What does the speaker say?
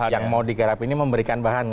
yang mau digarap ini memberikan bahan